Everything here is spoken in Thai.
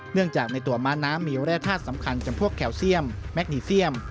เนื่องจากในตัวม้าน้ำมีแร่ธาตุสำคัญจำพวกแคลเซียมแมคนีเซียม